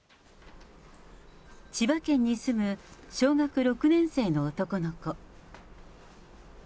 千葉県に住む小学６年生の男の子。